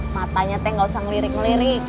matanya teh gak usah ngelirik lirik